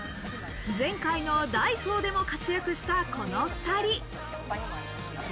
前回のダイソーでも活躍した、この２人。